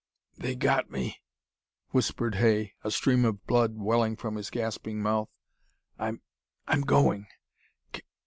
"They got me," whispered Hay, a stream of blood welling from his gasping mouth. "I'm I'm going.